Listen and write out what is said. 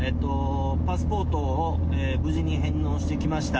パスポートを無事に返納してきました。